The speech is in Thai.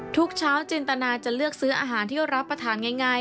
ทุกเช้าจินตนาจะเลือกซื้ออาหารที่รับประทานง่าย